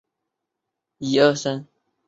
万姑娘出生于苏格兰北方。